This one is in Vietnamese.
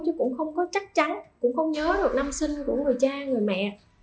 chứ cũng không có chắc chắn cũng không nhớ được năm sinh của người cha người mẹ